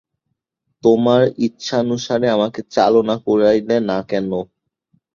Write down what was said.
তোমার ইচ্ছানুসারে আমাকে চালনা করাইলে না কেন।